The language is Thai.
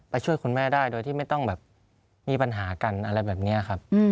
ช่วยคุณแม่ได้โดยที่ไม่ต้องแบบมีปัญหากันอะไรแบบนี้ครับ